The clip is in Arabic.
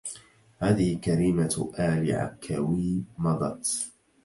هذه كريمة آل عكاوي مضت